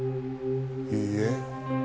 いいえ。